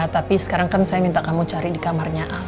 tapi sekarang kan saya minta kamu cari di kamarnya